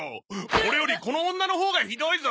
オレよりこの女のほうがひどいぞ。